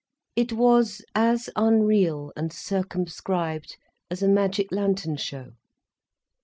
It was as unreal, and circumscribed, as a magic lantern show.